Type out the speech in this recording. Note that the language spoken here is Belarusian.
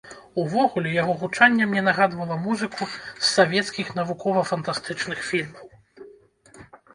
Увогуле, яго гучанне мне нагадвала музыку з савецкіх навукова-фантастычных фільмаў.